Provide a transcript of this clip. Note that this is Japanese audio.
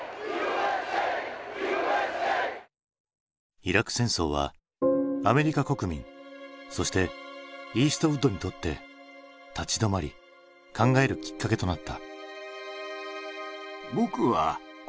イラク戦争はアメリカ国民そしてイーストウッドにとって立ち止まり考えるきっかけとなった。